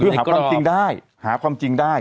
คือหาความจริงได้หาความจริงได้